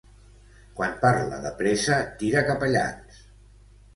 Quan parla de pressa tira capellans.